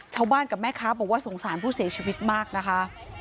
ชาวบ้านกับแม่ค้าบอกว่าสงสารผู้เสียชีวิตมากนะคะ